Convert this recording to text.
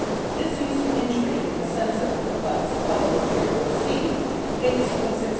This use of intrigue in the sense of "perplex, puzzle, trick, or deceive" dates from 1600.